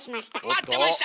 待ってました！